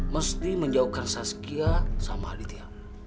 mesti menjauhkan saskia sama aditya